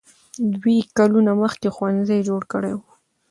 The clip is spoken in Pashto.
دوی کلونه مخکې ښوونځي جوړ کړي وو.